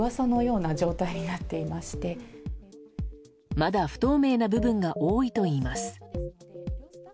まだ不透明な部分が多いといいます。